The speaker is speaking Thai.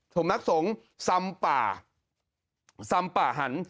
สำนักสงฆ์สัมปาหัน